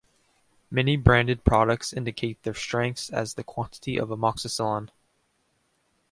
Many branded products indicate their strengths as the quantity of amoxicillin.